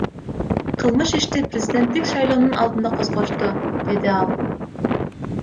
Кылмыш ишти президенттик шайлоонун алдында козгошту, — деди ал.